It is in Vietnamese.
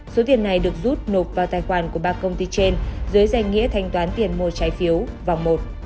số tiền này được rút nộp vào tài khoản của ba công ty trên dưới danh nghĩa thanh toán tiền mua trái phiếu vòng một